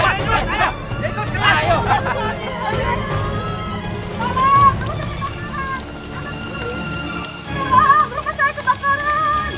rumput saya terbakaran